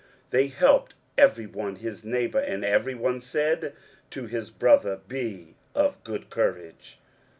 23:041:006 They helped every one his neighbour; and every one said to his brother, Be of good courage.